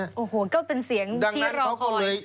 โอ้โหก็เป็นเสียงที่รอคอย